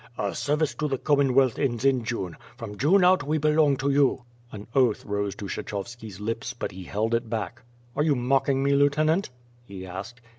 Our service to the Commonwealth ends in June; from June out we belong to you." An oath rose to Kshechovski's lips, but he held it back. "Are you mocking me, Lieutenant?" he asked.